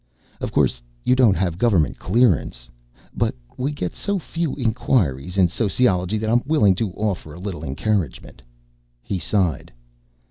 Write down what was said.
"Of course, you don't have government clearance.... But we get so few inquiries in sociology that I'm willing to offer a little encouragement." He sighed.